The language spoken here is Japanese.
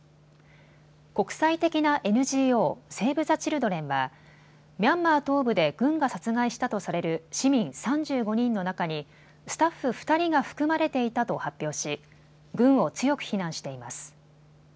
国際的なＮＧＯ、セーブ・ザ・チルドレンはミャンマー東部で軍が殺害したとされる市民３５人の中にスタッフ２人が含まれていたと発表し軍を強く非難しています。